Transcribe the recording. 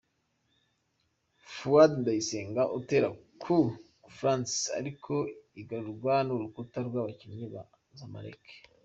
Fuadi Ndayisenga atera coup Franc ariko igarurwa n' urukuta rw' abakinnyi ba Zamalek.